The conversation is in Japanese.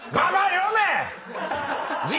読め！